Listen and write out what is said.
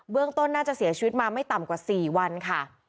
ต้นน่าจะเสียชีวิตมาไม่ต่ำกว่า๔วันค่ะ